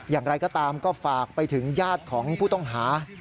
อย่างไรก็ตามก็ฝากไปถึงญาติของผู้ต้องหา